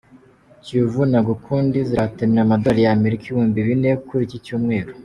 Kiyovu na gukundi zirahatanira amadolari y’Amerika ibihumbi bine kuri iki cyumweru